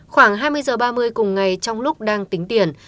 khoảng hai mươi h ba mươi cùng ngày trong lúc đang tính tiền